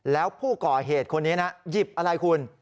แล้วผู้ก่อเหตุคนนี้นะหยิบอะไรคุณ